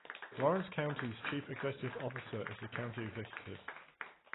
Lawrence County's chief executive officer is the County Executive.